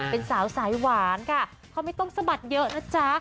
เป็นสาวสายหวานค่ะเขาไม่ต้องสะบัดเยอะนะจ๊ะ